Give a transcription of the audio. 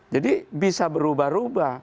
jadi bisa berubah ubah